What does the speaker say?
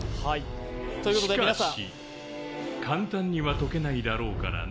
しかし、簡単には解けないだろうからな。